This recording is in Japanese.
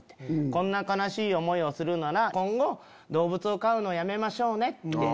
こんな悲しい思いをするなら今後動物を飼うのやめましょうねって。